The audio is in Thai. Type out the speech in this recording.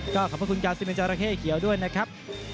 ก็ขอบคุณกาว๑๑เจอร์ระเข้เขียวด้วยนะครับ